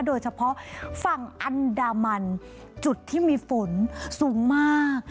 โดยเฉพาะฝั่งอันดามันจุดที่มีฝนสูงมาก